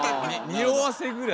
におわせぐらい。